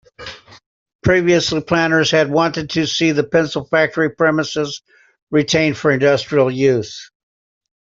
Previously, planners had wanted to see the pencil factory premises retained for industrial use.